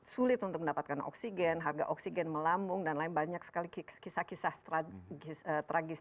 sulit untuk mendapatkan oksigen harga oksigen melambung dan lain banyak sekali kisah kisah tragistik